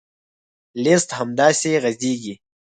لیست همداسې غځېږي.